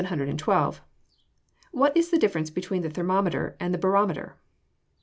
_What is the difference between the thermometer and the barometer?